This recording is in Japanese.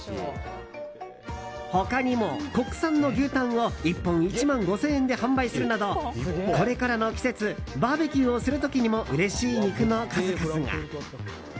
他にも国産の牛タンを１本１万５０００円で販売するなどこれからの季節バーベキューをする時にもうれしい肉の数々が。